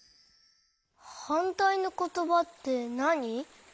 はんたいのことばってなに？